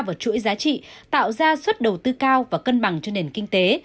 vào chuỗi giá trị tạo ra suất đầu tư cao và cân bằng cho nền kinh tế